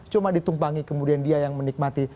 cuma ditumpangi kemudian dia yang menikmati